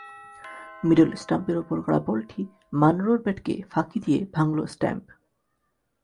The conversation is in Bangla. মিডল স্টাম্পের ওপর করা বলটি মানরোর ব্যাটকে ফাঁকি দিয়ে ভাঙল স্টাম্প।